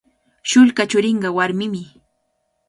Shullka churinqa warmimi.